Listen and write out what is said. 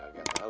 ya kalian tau